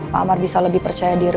pak amar bisa lebih percaya diri